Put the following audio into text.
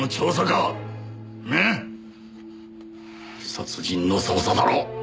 殺人の捜査だろう！